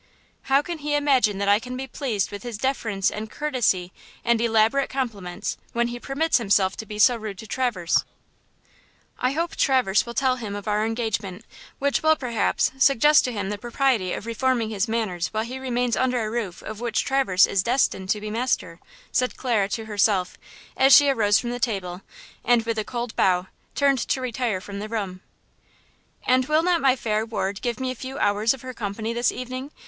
"How can he imagine that I can be pleased with his deference and courtesy and elaborate compliments, when he permits himself to be so rude to Traverse? I hope Traverse will tell him of our engagement, which will, perhaps, suggest to him the propriety of reforming his manners while he remains under a roof of which Traverse is destined to be master," said Clara to herself, as she arose from the table and, with a cold bow, turned to retire from the room. "And will not my fair ward give me a few hours of her company this evening?"